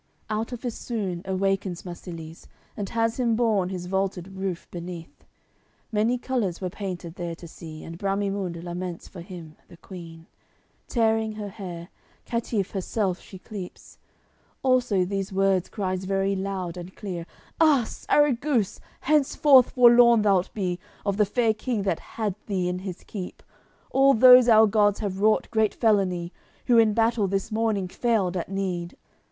CLXXXVIII Out of his swoon awakens Marsilies, And has him borne his vaulted roof beneath; Many colours were painted there to see, And Bramimunde laments for him, the queen, Tearing her hair; caitiff herself she clepes; Also these words cries very loud and clear: "Ah! Sarraguce, henceforth forlorn thou'lt be Of the fair king that had thee in his keep! All those our gods have wrought great felony, Who in battle this morning failed at need.